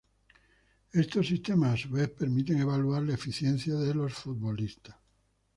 Estos sistemas a su vez permiten evaluar la eficiencia de los futbolistas.